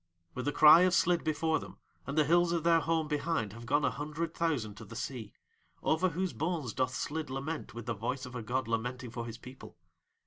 With the cry of Slid before them and the hills of their home behind have gone a hundred thousand to the sea, over whose bones doth Slid lament with the voice of a god lamenting for his people.